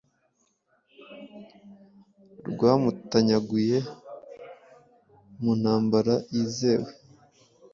Rwamutanyaguye muntambara yizewe